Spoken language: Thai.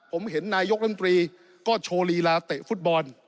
ผมเห็นนายกรัฐมนตรีก็โชว์ลีลาเตะฟุตบอล